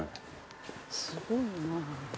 すごいなぁ。